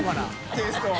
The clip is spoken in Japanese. テイストを。